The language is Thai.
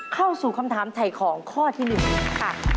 เข้าสู่คำถามถ่ายของข้อที่๑นี้ค่ะ